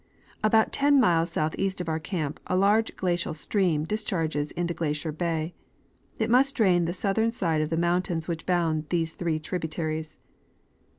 About ten miles southeast of our camp a large glacial stream discharges into Glacier bay. It must drain the southern side of the mountains which bound these three tributaries.